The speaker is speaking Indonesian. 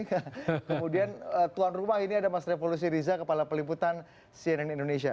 kemudian tuan rumah ini ada mas revolusi riza kepala peliputan cnn indonesia